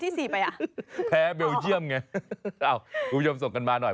๒ลูกเลยจะไม่ต้องแย่งกันดิฉันไม่เข้าใจ